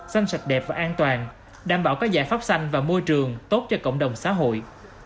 xanh sạch đẹp và an toàn đảm bảo các giải pháp xanh và môi trường tốt cho cộng đồng xã hội